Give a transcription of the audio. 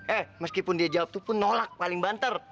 eh meskipun dia jawab itu pun nolak paling banter